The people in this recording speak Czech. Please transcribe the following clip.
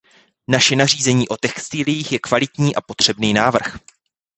Naše nařízení o textiliích je kvalitní a potřebný návrh.